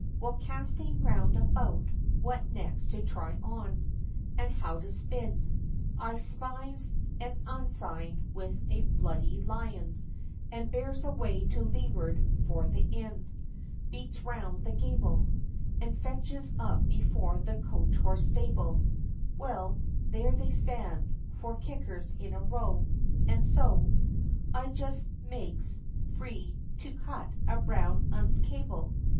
Well casting round about, what next to try on, And how to spin, I spies an ensign with a Bloody Lion, And bears away to leeward for the inn, Beats round the gable, And fetches up before the coach horse stable: Well there they stand, four kickers in a row. And so I just makes free to cut a brown 'un's cable.